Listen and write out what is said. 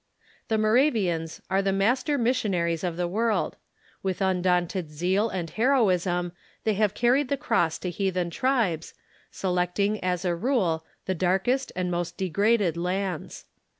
The Moravians are the master missionaries of the world. With undaunted zeal and heroism they have carried the cross , to heathen tribes, selectinir, as a rule, the darkest Missionary Zeal n t , t"' mi ,, and most degraded lands.